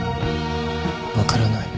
分からない。